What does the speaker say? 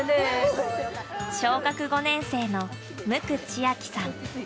小学５年生の椋千晶さん。